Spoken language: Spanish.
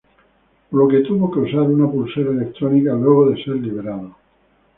Por lo que tuvo que usar una pulsera electrónica luego de ser liberado.